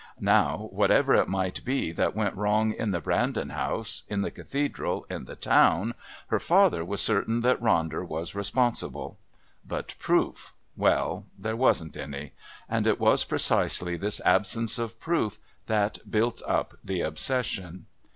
Now, whatever it might be that went wrong in the Brandon house, in the Cathedral, in the town, her father was certain that Ronder was responsible, but proof. Well, there wasn't any. And it was precisely this absence of proof that built up the obsession.